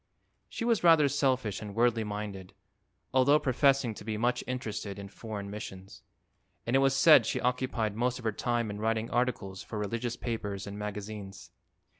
She was rather selfish and worldly minded, although professing to be much interested in foreign missions, and it was said she occupied most of her time in writing articles for religious papers and magazines.